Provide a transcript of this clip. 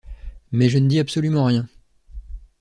Mais je ne dis absolument rien.